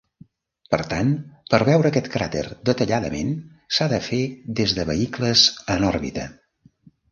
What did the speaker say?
Per tant, per veure aquest cràter detalladament s'ha de fer des de vehicles en òrbita.